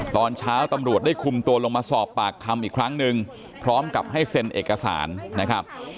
ตอนเช้าตำรวจได้คุมตัวลงมาสอบปากคำอีกครั้งนึงพร้อมกับให้เซ็นเอกสารนะครับ